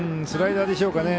スライダーでしょうか。